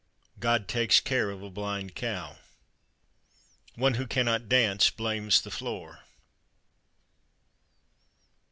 God takes care of a blind cow. One who cannot dance blames the floor.